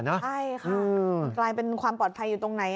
ใช่ค่ะกลายเป็นความปลอดภัยอยู่ตรงไหน